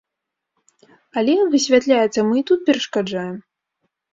Але, высвятляецца, мы і тут перашкаджаем.